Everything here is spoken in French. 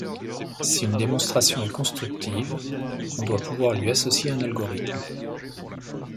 Si une démonstration est constructive, on doit pouvoir lui associer un algorithme.